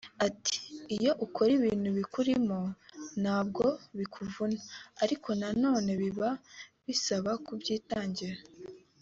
Ati "Iyo ukora ibintu bikurimo ntabwo bikuvuna ariko na none biba bisaba kubyitangira